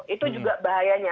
itu juga bahayanya